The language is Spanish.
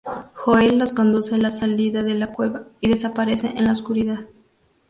Joel los conduce a la salida de la cueva y desaparece en la oscuridad.